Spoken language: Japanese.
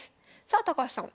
さあ高橋さん